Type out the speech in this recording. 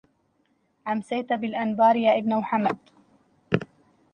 أمسيت بالأنبار يا ابن محمد